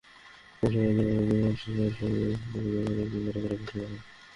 গতকাল জবানবন্দি গ্রহণ শেষে আদালতের নির্দেশে মাহফুজা মালেককে কারাগারে পাঠানো হয়।